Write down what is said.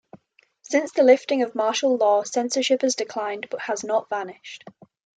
Since the lifting of martial law, censorship has declined but has not vanished.